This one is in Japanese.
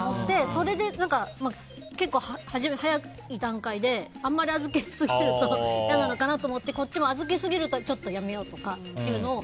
それで、結構早い段階で、あまり預けすぎると嫌なのかなと思ってこっちも預けすぎるのはちょっとやめようとかっていうのを。